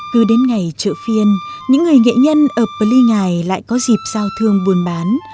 cứ đến ngày trợ phiên những người nghệ nhân ở peli ngai lại có dịp giao thương buôn bán